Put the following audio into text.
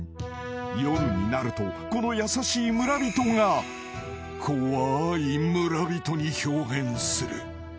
［夜になるとこの優しい村人が怖い村人に豹変する］